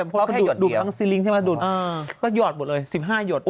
ก็หยอดหมดเลย๑๕หยอด